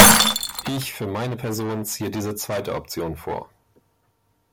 Ich für meine Person ziehe diese zweite Option vor.